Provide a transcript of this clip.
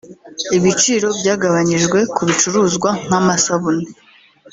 Ibiciro byagabanyijwe ku bicuruzwa nk’amasabune